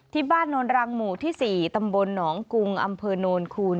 โนนรังหมู่ที่๔ตำบลหนองกุงอำเภอโนนคูณ